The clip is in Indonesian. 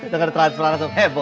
dengan transferat langsung heboh